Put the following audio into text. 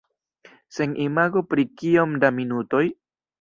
Sen imago pri kiom da minutoj?